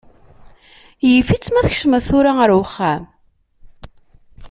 Yif-it ma tkecmeḍ tura ar wexxam.